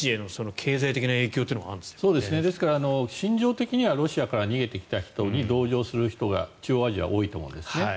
ですから心情的にはロシアから逃げてきた人に同情する人が中央アジアは多いと思うんですね。